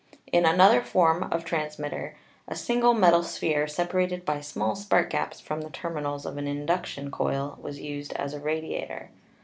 In another form of transmitter a single metal sphere, separated by small spark gaps from the terminals of an induction coil, was used as a radiator.